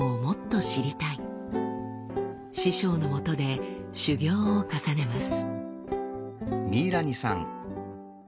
師匠のもとで修業を重ねます。